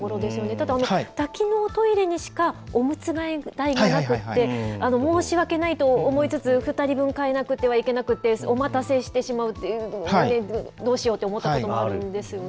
ただ、多機能トイレにしかおむつ台がなくって申し訳ないと思いつつ、２人分変えなくてはいけなくて、お待たせしてしまうという、どうしようと思ったときもあるんですよね。